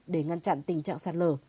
để ngăn chặn tình trạng sạt lở